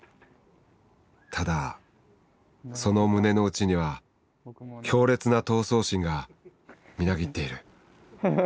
ただその胸の内には強烈な闘争心がみなぎっている。